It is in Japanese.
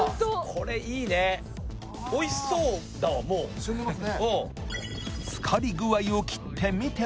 これいいねおいしそうだわもういきます